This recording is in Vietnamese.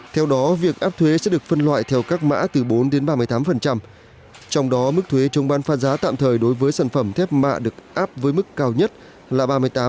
theo đó việc áp thuế sẽ được phân loại theo các mã từ bốn đến ba mươi tám trong đó mức thuế chống bán pha giá tạm thời đối với sản phẩm thép mạ được áp với mức cao nhất là ba mươi tám